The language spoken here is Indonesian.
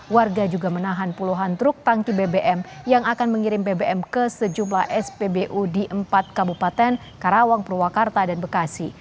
warga juga menahan puluhan truk tangki bbm yang akan mengirim bbm ke sejumlah spbu di empat kabupaten karawang purwakarta dan bekasi